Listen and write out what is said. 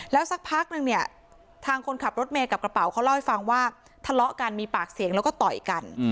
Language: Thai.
แล้วสักพักนึงเนี่ยทางคนขับรถเมย์กับกระเป๋าเขาเล่าให้ฟังว่าทะเลาะกันมีปากเสียงแล้วก็ต่อยกัน